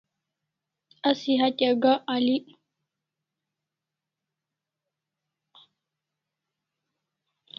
Asi hatya gak al'ik